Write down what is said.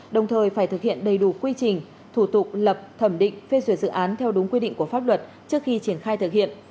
đồng thời phải thực hiện đầy đủ quy trình thủ tục lập thẩm định phê duyệt dự án theo đúng quy định của pháp luật trước khi triển khai thực hiện